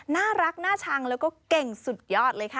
น่ารักน่าชังแล้วก็เก่งสุดยอดเลยค่ะ